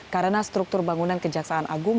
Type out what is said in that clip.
karena struktur bangunan kejaksaan agung